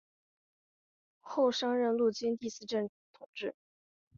后升任陆军第四镇统制。